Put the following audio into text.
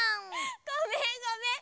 ごめんごめん。